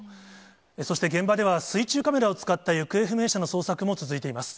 そして現場では、水中カメラを使った行方不明者の捜索も続いています。